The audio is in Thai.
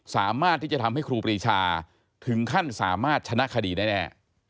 สามารถที่จะทำให้ครูปรีชาถึงขั้นสามารถชนะคดีได้แน่